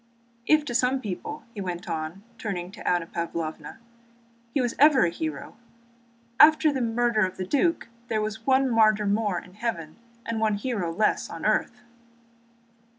If to some people," he went on, turning to Anna Pávlovna, "he ever was a hero, after the murder of the duc there was one martyr more in heaven and one hero less on earth."